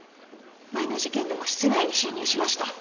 前の事件でも室内に侵入しました。